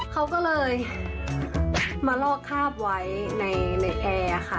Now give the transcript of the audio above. เขาก็เลยมาลอกคาบไว้ในแอร์ค่ะ